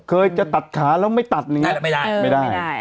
เคยจะตัดขาแล้วไม่ตัดอย่างนี้ไม่ได้